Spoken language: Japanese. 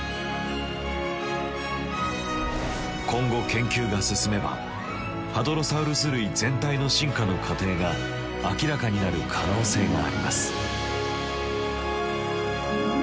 今後研究が進めばハドロサウルス類全体の進化の過程が明らかになる可能性があります。